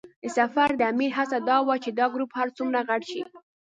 د سفر د امیر هڅه دا وه چې دا ګروپ هر څومره غټ شي.